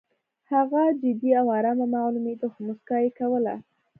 هغه جدي او ارامه معلومېده خو موسکا یې کوله